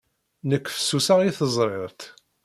Nekk fessuseɣ i tezrirt.